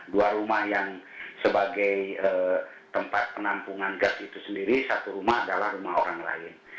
dua rumah yang sebagai tempat penampungan gas itu sendiri satu rumah adalah rumah orang lain